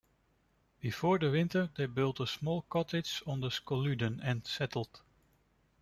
Before the winter they built a small cottage on the Skoludden, and settled.